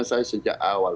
saya sejak awal